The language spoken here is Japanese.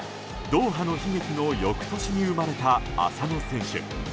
ドーハの悲劇の翌年に生まれた浅野選手。